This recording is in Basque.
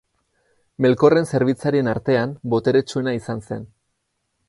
Melkorren zerbitzarien artean boteretsuena izan zen.